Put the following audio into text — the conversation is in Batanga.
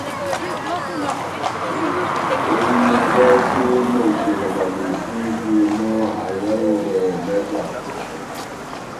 Oinyungwase moto na betete mò aihae ovè nájàmbo.